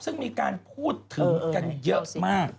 ซึ่งมีการพูดถึงกันเยอะมาก